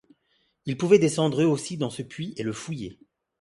Ils pouvaient descendre eux aussi dans ce puits et le fouiller.